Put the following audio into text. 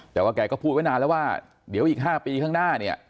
แต่ว่าแกก็พูดไว้นานแล้วว่าเดี๋ยวอีก๕ปีข้างหน้าเนี่ย